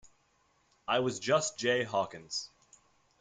I was just Jay Hawkins.